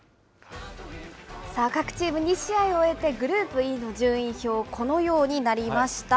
さあ、各チーム、２試合を終えてグループＥの順位表、このようになりました。